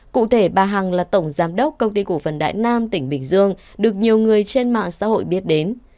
cụ thể bà hằng là tổng giám đốc công ty cổ phần đại nam tỉnh bình dương được nhiều người trên mạng xã hội biết đến